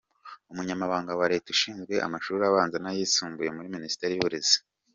Umunyamabanga wa Leta ushinzwe amashuri abanza n’ayisumbuye muri Minisiteri y’Uburezi, Dr.